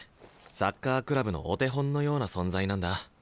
サッカークラブのお手本のような存在なんだ。